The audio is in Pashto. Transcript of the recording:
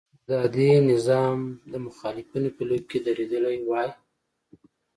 د استبدادي نظام د مخالفینو په لیکو کې درېدلی وای.